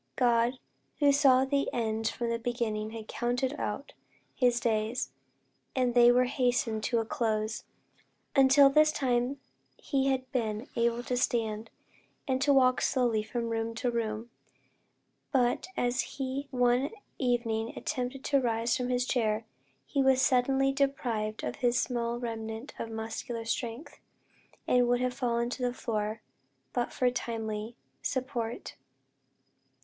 God, who saw the end from the beginning had counted out his days, and they were hastening to a close. Until this time he had been able to stand, and to walk slowly from room to room; but as he one evening attempted to rise from his chair, he was suddenly deprived of his small remnant of muscular strength, and would have fallen to the floor, but for timely support.